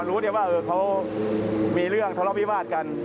รู้ได้ว่าเขามีเรื่องทะเลาะวิวาสกัน